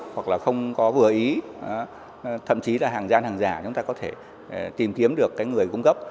hoặc là không có vừa ý thậm chí là hàng gian hàng giả chúng ta có thể tìm kiếm được cái người cung cấp